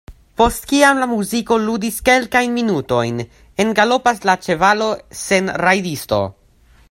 Post kiam la muziko ludis kelkajn minutojn, engalopas la ĉevalo sen rajdisto.